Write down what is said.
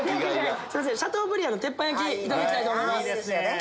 シャトーブリアンの鉄板焼きいただきたいと思います。